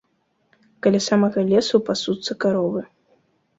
Каля самага лесу пасуцца каровы.